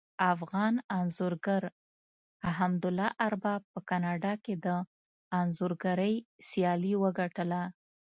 افغان انځورګر حمدالله ارباب په کاناډا کې د انځورګرۍ سیالي وګټله